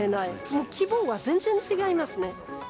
もう規模は全然違いますね。